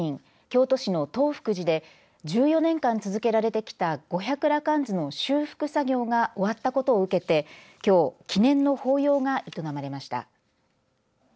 京都市の東福寺で１４年間、続けられてきた五百羅漢図の修復作業が終わったことを受けてきょう記念の法要が営まれました。